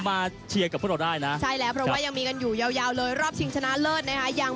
เชียร์กับพวกเราได้นะใช่แล้วเพราะว่ายังมีกันอยู่ยาวยาวเลยรอบชิงชนะเลิศนะคะยัง